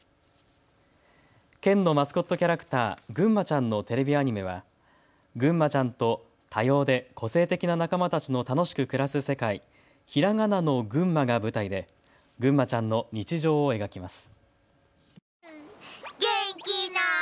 県のマスコットキャラクター、ぐんまちゃんのテレビアニメはぐんまちゃんと多様で個性的な仲間たちの楽しく暮らす世界、ひらがなのぐんまが舞台でぐんまちゃんの日常を描きます。